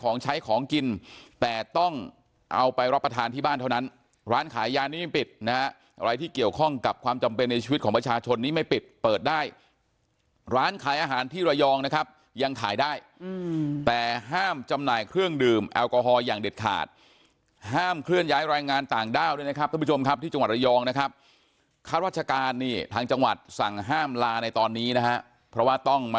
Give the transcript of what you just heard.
นั้นร้านขายยานไม่ปิดนะฮะอะไรที่เกี่ยวข้องกับความจำเป็นในชีวิตของประชาชนนี้ไม่ปิดเปิดได้ร้านขายอาหารที่ระยองนะครับยังขายได้อืมแต่ห้ามจำหน่ายเครื่องดื่มแอลกอฮอล์อย่างเด็ดขาดห้ามเคลื่อนย้ายรายงานต่างด้าวด้วยนะครับท่านผู้ชมครับที่จังหวัดระยองนะครับข้าราชการนี่ทางจังหวัดสั่งห้ามลาในตอนนี้นะ